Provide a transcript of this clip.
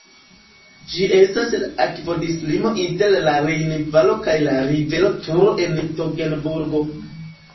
Ĝi estas la akvodislimo inter la Rejnvalo kaj la rivero Turo en Togenburgo.